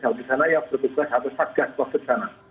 kalau di sana ya berpikir pikir ada sakit